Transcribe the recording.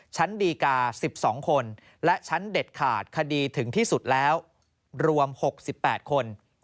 ชั้นดีกา๑๒คนและชั้นเด็ดขาดคดีถึงที่สุดแล้วรวม๖๘คน